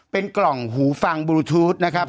เป็นกล่องหูฟังบลูทูธนะครับ